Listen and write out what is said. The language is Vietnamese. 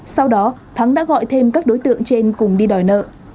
sau đó thắng đã gọi thêm các đối tượng trên cùng đi đòi nợ